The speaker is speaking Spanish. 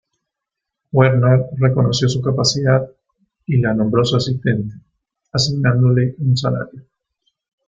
Werner reconoció su capacidad y la nombró su asistente, asignándole un salario.